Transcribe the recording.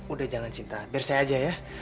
udah jangan cinta bersih aja ya